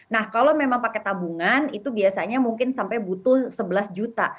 nah kalau memang pakai tabungan itu biasanya mungkin sampai butuh sebelas juta